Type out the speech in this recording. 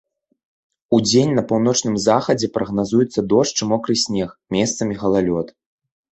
Удзень на паўночным захадзе прагназуецца дождж і мокры снег, месцамі галалёд.